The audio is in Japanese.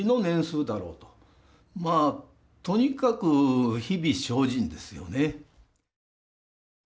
まあとにかく日々精進ですよね。